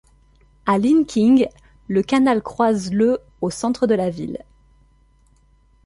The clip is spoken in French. À Linqing, le canal croise le au centre de la ville.